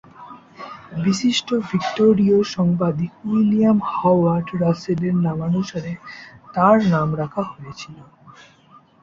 বিশিষ্ট ভিক্টোরীয় সাংবাদিক William Howard রাসেলের নামানুসারে তার নাম রাখা হয়েছিল।